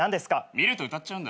見ると歌っちゃうんだ。